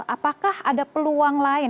apakah ada peluang lain